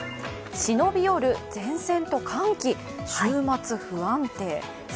忍び寄る前線と寒気週末不安定。